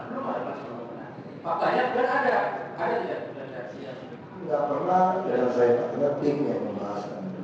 dari paham oleh mereka apa itu adalah penuh dengan kemampuan